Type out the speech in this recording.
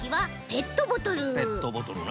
ペットボトルな。